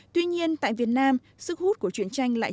tuy nhiên tại việt nam sức hút của truyện tranh lại chẳng hạn